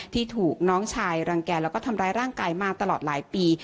ที่ถูกน้องชายรังแก่แล้วก็ทำร้ายร่างกายมาตลอดหลายปี